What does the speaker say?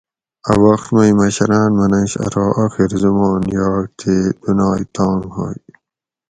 اۤ وخت مئی مشراۤن منش ارو آخر زُمان یاگ تے دُنائے تانگ ہوئے